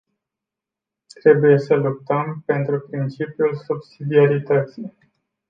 Trebuie să luptăm pentru principiul subsidiarității.